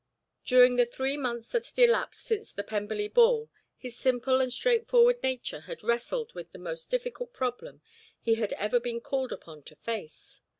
During the three months that had elapsed since the Pemberley ball his simple and straightforward nature had wrestled with the most difficult problem he had ever been called upon to face.